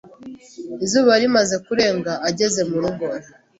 Izuba rimaze kurenga ageze murugo.